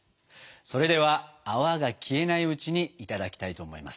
それでは泡が消えないうちにいただきたいと思います。